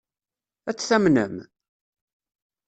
Ad t-tamnem?